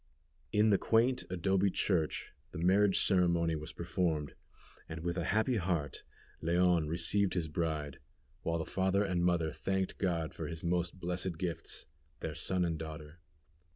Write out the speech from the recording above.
In the quaint adobe church the marriage ceremony was performed, and with a happy heart Leon received his bride, while the father and mother thanked God for His most blessed gifts, their son and daughter.